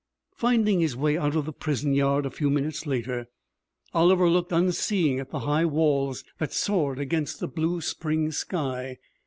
Finding his way out of the prison yard a few minutes later, Oliver looked, unseeing, at the high walls that soared against the blue spring sky.